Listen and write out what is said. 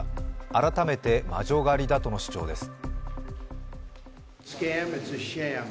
改めて魔女狩りだとの主張です。